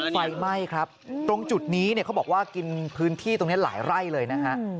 ไฟไหม้ครับตรงจุดนี้เนี่ยเขาบอกว่ากินพื้นที่ตรงนี้หลายไร่เลยนะฮะ